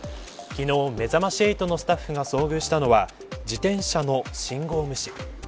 昨日、めざまし８のスタッフが遭遇したのは自転車の信号無視。